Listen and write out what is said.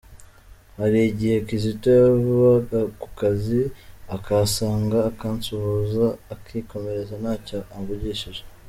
Hari igihe Kizito yavaga ku kazi akahansanga akansuhuza akikomereza ntacyo amvugishije.